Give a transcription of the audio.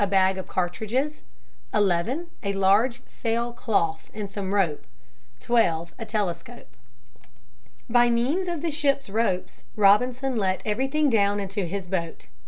A bag of cartridges. 11. A large sail cloth and some rope. 12. A telescope. By means of the ship's ropes, Robinson let everything down into his boat.